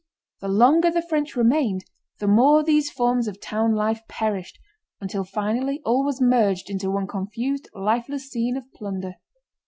The longer the French remained the more these forms of town life perished, until finally all was merged into one confused, lifeless scene of plunder.